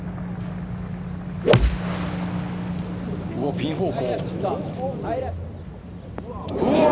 ピン方向。